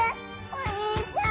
お兄ちゃん！